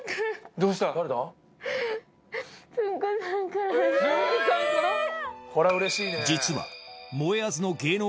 どうした？え！